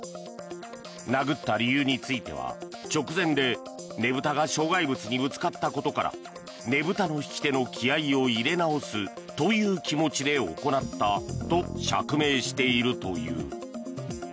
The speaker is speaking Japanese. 殴った理由については直前で、ねぶたが障害物にぶつかったことからねぶたの引き手の気合を入れ直すという気持ちで行ったと釈明しているという。